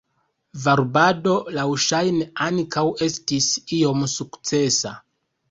Varbado laŭŝajne ankaŭ estis iom sukcesa.